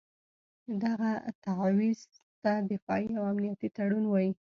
دغه تعویض ته دفاعي او امنیتي تړون وایي.